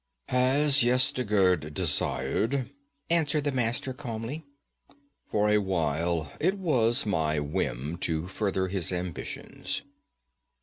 'As Yezdigerd desired,' agreed the Master calmly. 'For a while it was my whim to further his ambitions.'